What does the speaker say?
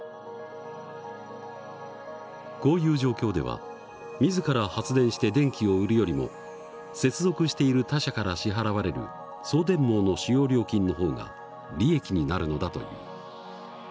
こういう状況では自ら発電して電気を売るよりも接続している他社から支払われる送電網の使用料金の方が利益になるのだという。